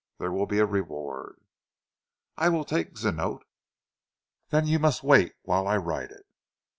There will be a reward." "I will take zee note." "Then you must wait whilst I write it."